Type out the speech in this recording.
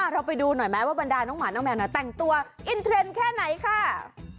เราไปดูหน่อยไหมว่าบรรดาน้องหมาน้องแมวแต่งตัวอินเทรนด์แค่ไหนค่ะ